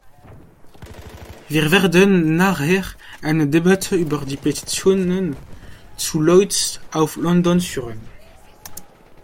Wir werden nachher eine Debatte über die Petitionen zu Lloyd's of London führen.